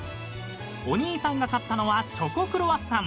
［お兄さんが買ったのはチョコクロワッサン］